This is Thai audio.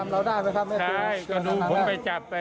ผมก็ดีใจมากเลยจากการแป่นสิบแปดปี